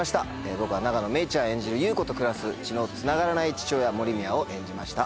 僕は永野芽郁ちゃん演じる優子と暮らす血のつながらない父親森宮を演じました。